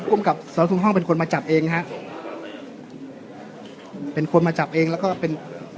ภูมิกับสทุ่มห้องเป็นคนมาจับเองฮะเป็นคนมาจับเองแล้วก็เป็น